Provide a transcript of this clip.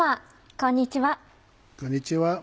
こんにちは。